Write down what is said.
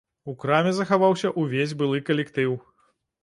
У краме захаваўся ўвесь былы калектыў.